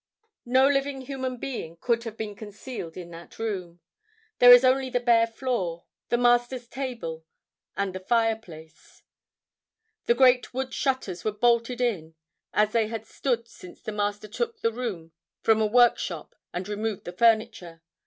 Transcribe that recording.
"No living human being could have been concealed in that room. There is only the bare floor, the Master's table and the fireplace. The great wood shutters were bolted in, as they had stood since the Master took the room for a workshop and removed the furniture.